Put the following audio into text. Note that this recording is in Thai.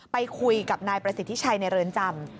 ไปคุยกับนายประสิทธิชัยในเรือนจำ